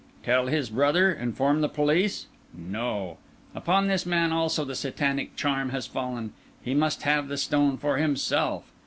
Tell his brother, inform the police? No; upon this man also the Satanic charm has fallen; he must have the stone for himself.